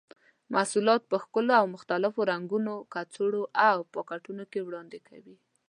محصولات په ښکلو او مختلفو رنګه کڅوړو او پاکټونو کې وړاندې کوي.